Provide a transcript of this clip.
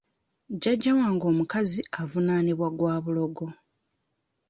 Jjajja wange omukazi avunaanibwa gwa bulogo.